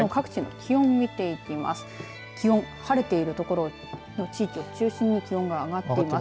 気温晴れている所地域を中心に気温が上がっています。